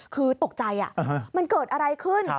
คือตกใจมันเกิดอะไรขึ้น